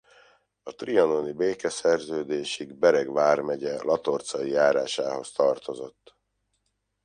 A trianoni békeszerződésig Bereg vármegye Latorcai járásához tartozott.